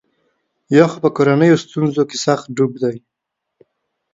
یا خو په کورنیو ستونزو کې سخت ډوب دی.